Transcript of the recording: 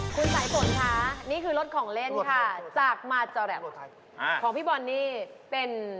คุณสายฝนคะนี่คือรถของเล่นค่ะจากมาจอแรปของพี่บอลนี่เป็น